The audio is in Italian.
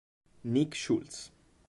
Nick Schultz